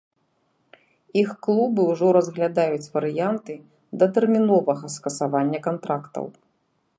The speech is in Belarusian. Іх клубы ўжо разглядаюць варыянты датэрміновага скасавання кантрактаў.